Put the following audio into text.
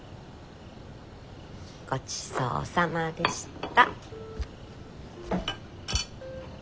ごちそうさまでした。